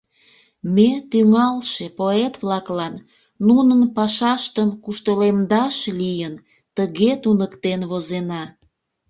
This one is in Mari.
Ме тӱҥалше поэт-влаклан, нунын пашаштым куштылемдаш лийын, тыге туныктен возена: